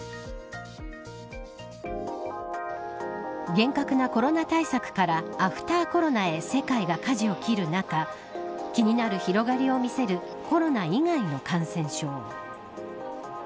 厳格なコロナ対策からアフターコロナへ世界がかじを切る中気になる広がりを見せるコロナ以外の感染症。